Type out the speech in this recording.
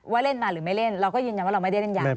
เล่นมาหรือไม่เล่นเราก็ยืนยันว่าเราไม่ได้เล่นยา